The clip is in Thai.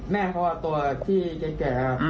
แม่เขาตัวคลิกแก๋